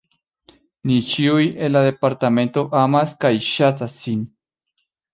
Ni ĉiuj en la Departemento amas kaj ŝatas ŝin.